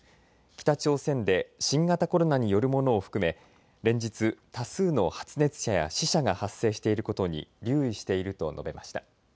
北朝鮮で新型コロナによるものを含め連日、多数の発熱者や死者が発生していることに留意していると述べました。